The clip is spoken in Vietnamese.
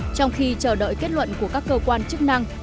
trong khi chờ đợi kết luận của các cơ quan trung tâm